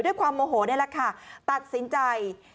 ด้วยความโมโหนี่แหละค่ะตัดสินใจ